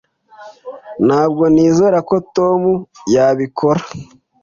Ntabwo nizera ko Tom yabikora.